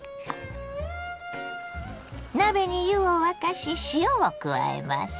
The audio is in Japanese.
鍋に湯を沸かし塩を加えます。